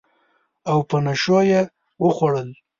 او په نشو یې وخوړل